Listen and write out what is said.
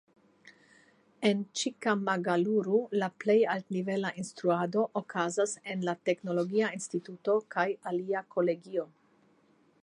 En Ĉikkamagaluru la plej altnivela instruado okazas en la teknologia instituto kaj alia kolegio.